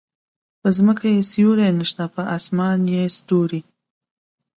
په ځمکه يې سیوری نشته په اسمان ستوری